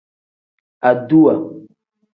Aduwa.